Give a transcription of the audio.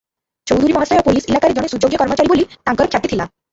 ଚୌଧୁରୀ ମହାଶୟ ପୋଲିସ ଇଲାକାରେ ଜଣେ ସୁଯୋଗ୍ୟ କର୍ମଚାରୀ ବୋଲି ତାଙ୍କର ଖ୍ୟାତି ଥିଲା ।